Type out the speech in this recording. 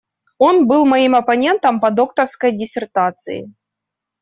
Он был моим оппонентом по докторской диссертации.